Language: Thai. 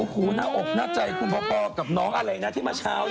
หน้าอกหน้าใจคุณพอกับน้องอะไรนะที่เมื่อเช้า